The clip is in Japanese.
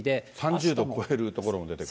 ３０度超える所も出てくる。